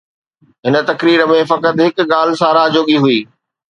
هن تقرير ۾ فقط هڪ ڳالهه ساراهه جوڳي هئي.